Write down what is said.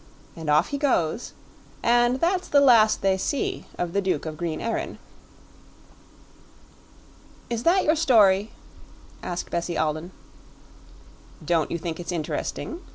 And off he goes, and that's the last they see of the Duke of Green Erin." "Is that your story?" asked Bessie Alden. "Don't you think it's interesting?"